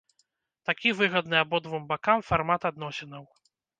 Такі выгадны абодвум бакам фармат адносінаў.